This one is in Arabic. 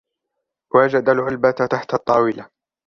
وجد العلبة تحت الطاولة.